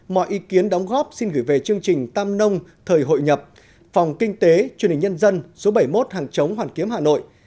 mọi ý kiến đóng góp xin gửi về chương trình tam nông thời hội nhập phòng kinh tế truyền hình nhân dân số bảy mươi một hàng chống hoàn kiếm hà nội